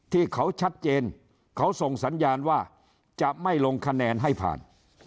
ที่เขาชัดเจนเขาส่งสัญญาณว่าจะไม่ลงคะแนนให้ผ่าน